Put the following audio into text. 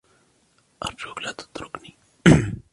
أرجوك، لا تتركني!